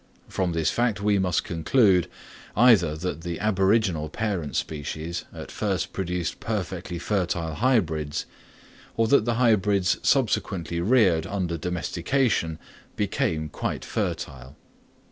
From this fact we must conclude either that the aboriginal parent species at first produced perfectly fertile hybrids, or that the hybrids subsequently reared under domestication became quite fertile.